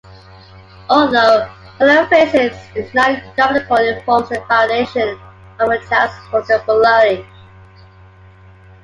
Although holophrasis is non-grammatical, it forms the foundation of a child's vocabulary.